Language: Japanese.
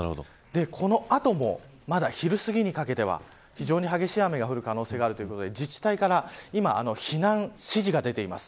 この後もまだ昼すぎにかけては非常に激しい雨が降る可能性があるので自治体から今避難指示が出ています。